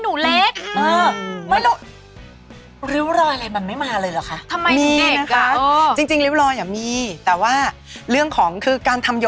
คุณแม่รู้ไหมตอนที่พี่หนูเล็กเดินมาเมื่อกี้เนี่ย